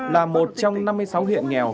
là một trong năm mươi sáu huyện nghèo